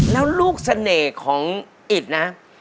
แล้วลูกเสน่ห์ของอิตนะ